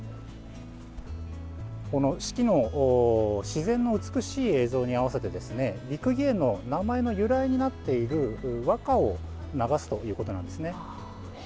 四季の自然の美しい映像に合わせて六義園の名前の由来になっている和歌を流すということなんです。